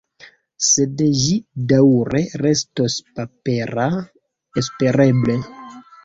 Sed ĝi daŭre restos papera, espereble.